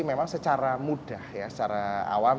memang kita rekonstruksi secara mudah ya secara awam